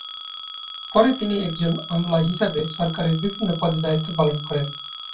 পরে তিনি একজন আমলা হিসেবে সরকারের বিভিন্ন পদে দায়িত্ব পালন করেন।